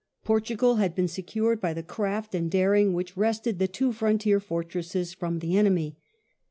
Portugal had been secured by the craft and daring which wrested the two frontier fortresses from the enemy.